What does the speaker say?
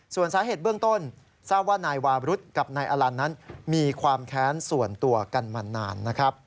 ส่วนสาเหตุเบื้องต้นซ่าว่านายวารุธกับนายอลันมีความแค้นกันมานาน